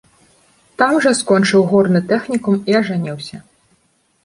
Там жа скончыў горны тэхнікум і ажаніўся.